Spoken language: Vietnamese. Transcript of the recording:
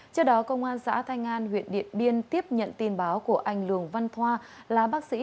trước đó công an xã thanh an huyện điện biên tiếp nhận tin báo của anh lường văn thoa là bác sĩ